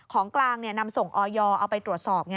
ของกลางนำส่งออยเอาไปตรวจสอบไง